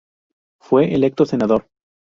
Fue electo senador.